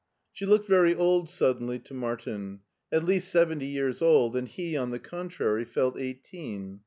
She looked very old suddenly to Martin: at least seventy years old, and he, on the contrary, felt eighteen.